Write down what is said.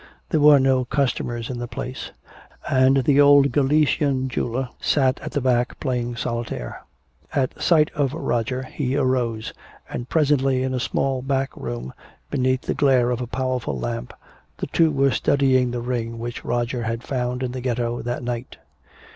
There were no customers in the place, and the old Galician jeweler sat at the back playing solitaire. At sight of Roger he arose; and presently in a small back room, beneath the glare of a powerful lamp, the two were studying the ring which Roger had found in the ghetto that night.